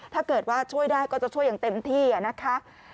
ถ้าเกิดว่าช่วยได้ก็จะช่วยอย่างเต็มที่นะคะ